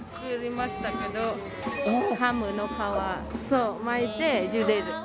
ハムの皮巻いてゆでる。